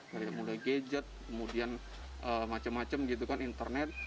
dari mulai gadget kemudian macam macam gitu kan internet